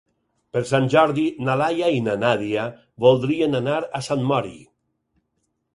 Per Sant Jordi na Laia i na Nàdia voldrien anar a Sant Mori.